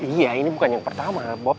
iya ini bukan yang pertama